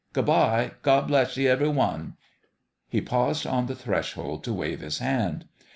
Good bye. God bless ye, every one!" He paused on the threshold to wave his hand.